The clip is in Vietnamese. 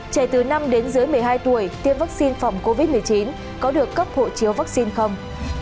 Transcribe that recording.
trẻ từ năm đến dưới một mươi hai tuổi tiêm vaccine phòng covid một mươi chín có được cấp hộ chiếu vaccine không